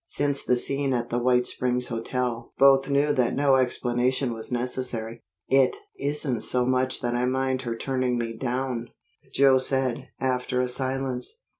Since the scene at the White Springs Hotel, both knew that no explanation was necessary. "It isn't so much that I mind her turning me down," Joe said, after a silence.